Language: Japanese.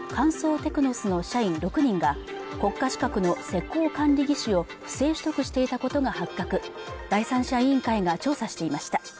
テクノスの社員６人が国家資格の施工管理技士を不正取得していたことが発覚第三者委員会が調査していました